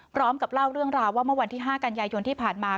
พร้อมกับเล่าเรื่องราวว่าเมื่อวันที่๕กันยายนที่ผ่านมา